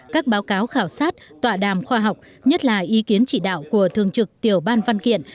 các báo cáo khảo sát tọa đàm khoa học nhất là ý kiến chỉ đạo của thường trực tiểu ban văn kiện